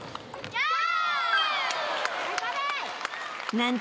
ヤー！